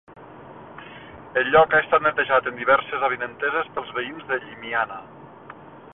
El lloc ha estat netejat en diverses avinenteses pels veïns de Llimiana.